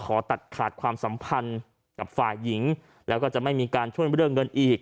ขอตัดขาดความสัมพันธ์กับฝ่ายหญิงแล้วก็จะไม่มีการช่วยเรื่องเงินอีก